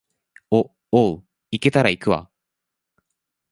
お、おう、行けたら行くわ